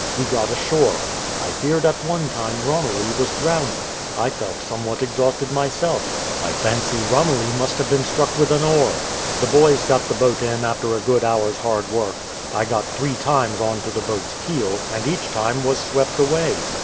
We got ashore. I feared at one time Romilly was drown ing. I felt somewhat exhausted myself. I fancy Romilly 292 SERVICES TO BRITISH OFFICIALS must have been struck with an oar. The boys got the boat in after a good hour's hard work. I got three times on to the boat's keel, and each time was swept away.